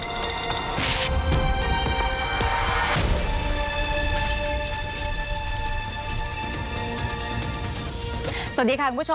มีความรู้สึกว่ามีความรู้สึกว่า